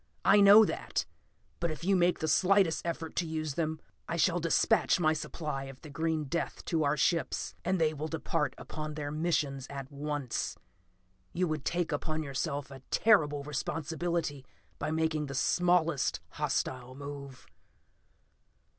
I know that. But if you make the slightest effort to use them, I shall dispatch a supply of the green death to our ships, and they will depart upon their missions at once. You would take upon yourself a terrible responsibility by making the smallest hostile move.